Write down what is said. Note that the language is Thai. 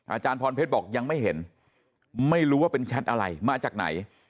อาจารย์พรเพชรบอกยังไม่เห็นไม่รู้ว่าเป็นแชทอะไรมาจากไหน